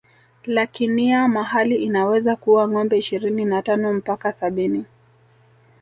Lakinia mahali inaweza kuwa ngombe ishirini na tano mpaka sabini